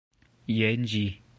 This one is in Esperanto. Jen ĝi!